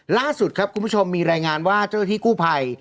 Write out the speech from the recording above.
ล่าสุดครับคุณผู้ชมมีรายงานว่าเจ้าหน้าที่กู้ภัย